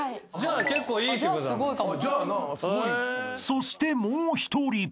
［そしてもう１人］